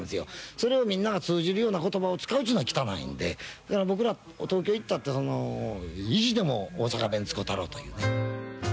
それをみんなが通じるような言葉を使うのが汚いので僕らが東京行ったって意地でも大阪弁、使ったろうという。